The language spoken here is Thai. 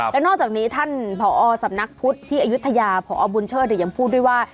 แล้วนอกจากนี้ท่านผอสำนักพุทธที่อายุทยาพอบุญเชิดยังพูดด้วยว่า